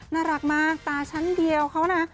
น่ารักมากตาชั้นเดียวเขานะ